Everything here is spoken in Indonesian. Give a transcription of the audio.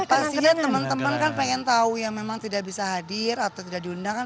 pastinya teman teman kan pengen tahu ya memang tidak bisa hadir atau tidak diundang kan